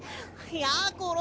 やころ。